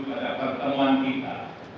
pada pertemuan kita